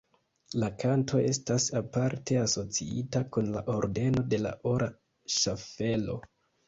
La kanto estas aparte asociita kun la Ordeno de la Ora Ŝaffelo.